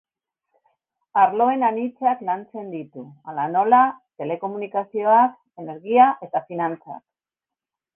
Arloen anitzak lantzen ditu, hala nola, telekomunikazioak, energia eta finantzak.